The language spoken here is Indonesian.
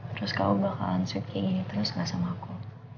terus kamu bakalan sweet kayak gini terus nggak sama aku